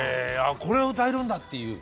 これを歌えるんだっていう。